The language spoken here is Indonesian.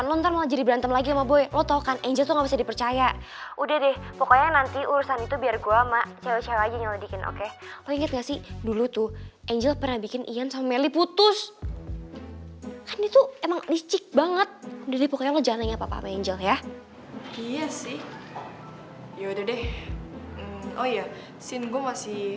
sampai jumpa di video selanjutnya